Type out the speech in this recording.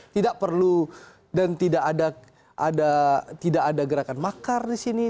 tidak perlu dan tidak ada gerakan makar di sini